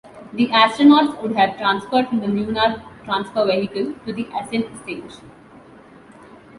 The astronauts would have transferred from the lunar transfer vehicle to the ascent stage.